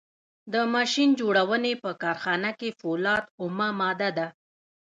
د ماشین جوړونې په کارخانه کې فولاد اومه ماده ده.